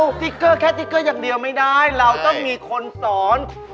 ติ๊กเกอร์แค่ติ๊กเกอร์อย่างเดียวไม่ได้เราต้องมีคนสอน